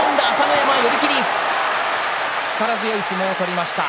山力強い相撲を取りました。